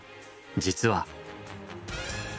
実は。